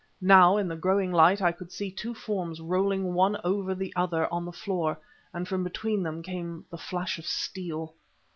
Now in the growing light I could see two forms rolling one over the other on the floor, and from between them came the flash of steel.